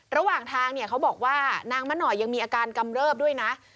ระหว่างทางเนี่ยเขาบอกว่านางมะหน่อยยังมีอาการกำเริบด้วยนะ